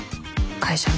会社に。